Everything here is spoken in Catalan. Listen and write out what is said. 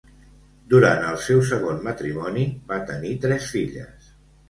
Durant el seu segon matrimoni va tenir tres filles.